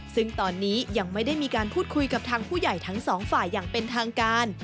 ซึ่งตอนนี้ยังไม่ได้มีการพูดคุยกับทางผู้ใหญ่ทั้งสองฝ่ายอย่างเป็นทางการ